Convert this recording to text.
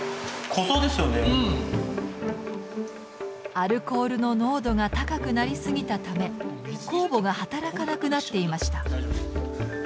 アルコールの濃度が高くなりすぎたためこうぼが働かなくなっていました。